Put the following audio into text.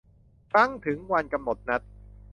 ครั้งถึงวันกำหนดนัด